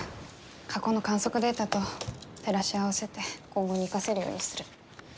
過去の観測データと照らし合わせて今後に生かせるようにする。